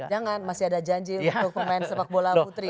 jangan masih ada janji untuk pemain sepak bola putri